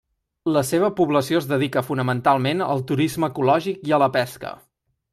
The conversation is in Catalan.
La seva població es dedica fonamentalment al turisme ecològic i a la pesca.